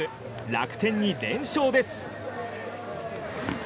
楽天に連勝です。